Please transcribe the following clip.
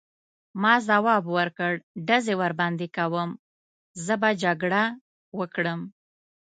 ما ځواب ورکړ: ډزې ورباندې کوم، زه به جګړه وکړم.